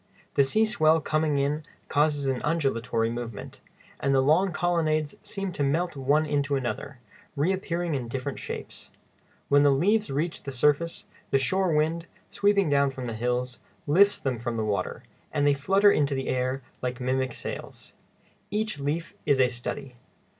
The sea swell coming in causes an undulatory movement, and the long colonnades seem to melt one into another, reappearing in different shapes. When the leaves reach the surface, the shore wind, sweeping down from the hills, lifts them from the water, and they flutter in the air like mimic sails. Each leaf is a study.